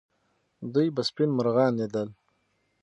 دوی به سپین مرغان لیدل.